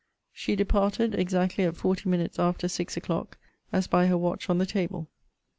She departed exactly at forty minutes after six o'clock, as by her watch on the table.